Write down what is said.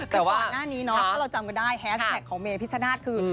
แต่ก่อนหน้านี้เนาะถ้าเราจำกันได้แฮสแท็กของเมพิชชนาธิ์คือ